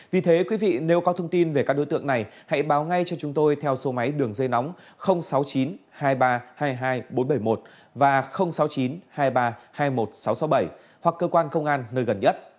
vì thế quý vị nếu có thông tin về các đối tượng này hãy báo ngay cho chúng tôi theo số máy đường dây nóng sáu mươi chín hai mươi ba hai mươi hai bốn trăm bảy mươi một và sáu mươi chín hai mươi ba hai mươi một nghìn sáu trăm sáu mươi bảy hoặc cơ quan công an nơi gần nhất